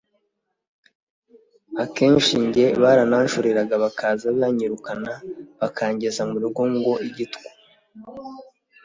Akenshi njye barananshoreraga bakaza banyirukana bakangeza mu rugo ngo ‘igitwa